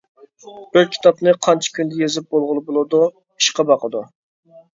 -بىر كىتابنى قانچە كۈندە يېزىپ بولغىلى بولىدۇ؟ -ئىشقا باقىدۇ.